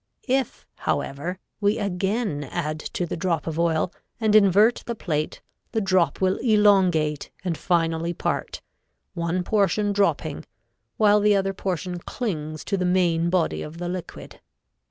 If, however, we again add to the drop of oil and invert the plate the drop will elongate and finally part, one portion dropping while the other portion clings to the main body of the liquid.